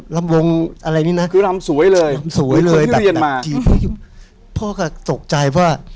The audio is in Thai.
รำวงอะไรนี้น่ะคือรำสวยเลยสวยเลยพี่เรียนมาพ่อก็ตกใจว่า